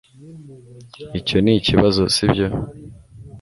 icyo nikibazo, sibyo